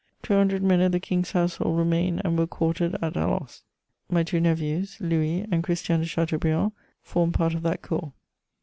Two hundred men of the King's Household remained and were quartered at Alost; my two nephews, Louis and Christian de Chateaubriand, formed part of that corps.